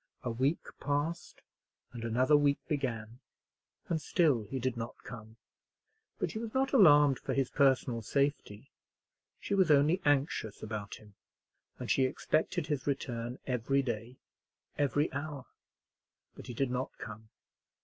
A week passed, and another week began, and still he did not come; but she was not alarmed for his personal safety, she was only anxious about him; and she expected his return every day, every hour. But he did not come.